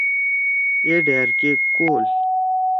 اے ڈھأر کے کول۔